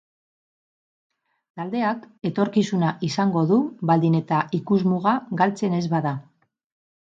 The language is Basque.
Taldeak etorkizuna izango du baldin eta ikusmuga galtzen ez bada.